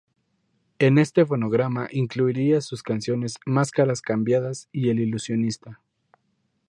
En este fonograma incluiría sus canciones "Máscaras cambiadas" y "El ilusionista".